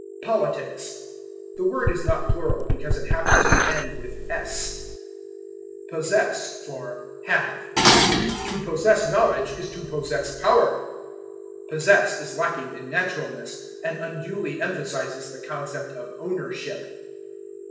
Politics. The word is not plural because it happens to end with s. Possess for Have. "To possess knowledge is to possess power." Possess is lacking in naturalness and unduly emphasizes the concept of ownership.